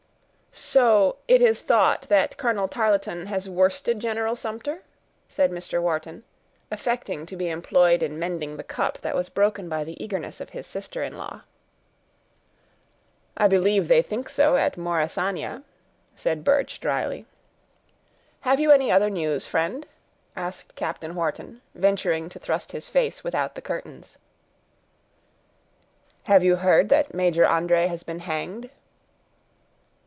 "So, it is thought that Colonel Tarleton has worsted General Sumter?" said Mr. Wharton, affecting to be employed in mending the cup that was broken by the eagerness of his sister in law. "I believe they think so at Morrisania," said Birch, dryly. "Have you any other news, friend?" asked Captain Wharton, venturing to thrust his face without the curtains. "Have you heard that Major André has been hanged?"